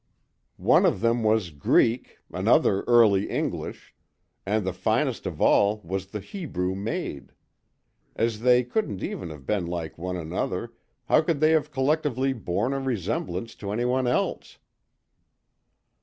"One of them was Greek, another early English, and the finest of all was the Hebrew maid. As they couldn't even have been like one another, how could they have collectively borne a resemblance to anybody else?"